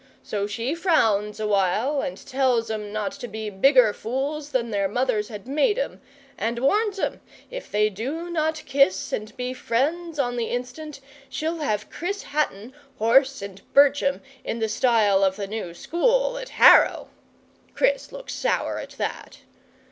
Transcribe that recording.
So she frowns a while and tells 'em not to be bigger fools than their mothers had made 'em, and warns 'em, if they do not kiss and be friends on the instant, she'll have Chris Hatton horse and birch 'em in the style of the new school at Harrow. (Chris looks sour at that.)